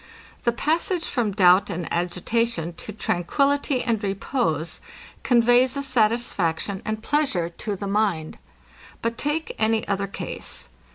The passage from doubt and agitation to tranquility and repose, conveys a satisfaction and pleasure to the mind. But take any other case.